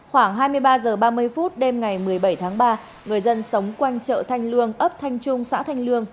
khoảng hai mươi ba h ba mươi phút đêm ngày một mươi bảy tháng ba người dân sống quanh chợ thanh lương ấp thanh trung xã thanh lương